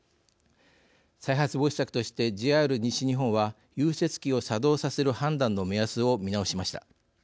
再発防止策としてＪＲ西日本は融雪器を作動させる判断の目安を見直しました。